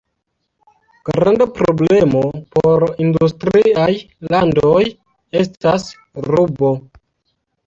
Granda problemo por industriaj landoj estas rubo.